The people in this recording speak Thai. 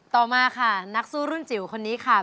ต่อมาค่ะนักสู้รุ่นจิ๋วคนนี้ค่ะ